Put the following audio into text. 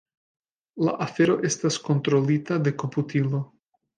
La afero estas kontrolita de komputilo.